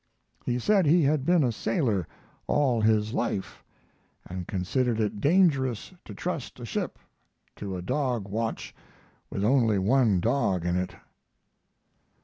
He said he had been a sailor all his life, and considered it dangerous to trust a ship to a dog watch with only one dog in it.